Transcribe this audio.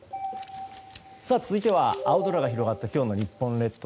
続いては青空が広がった今日の日本列島。